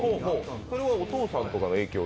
それはお父さんとかの影響で？